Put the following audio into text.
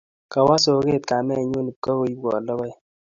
Kawo soget kamennyu ipkoibwon logoek